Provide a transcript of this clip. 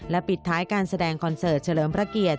ปิดท้ายการแสดงคอนเสิร์ตเฉลิมพระเกียรติ